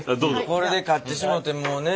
これで勝ってしもうてもうね